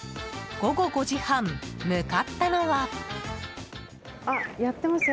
午後５時半、向かったのは。